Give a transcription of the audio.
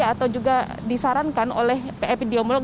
atau juga disarankan oleh pep diomolog